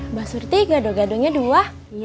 mbak surti gado gadonya dua